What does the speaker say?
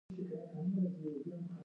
د لمر ګل ژیړ رنګ ښکلی دی.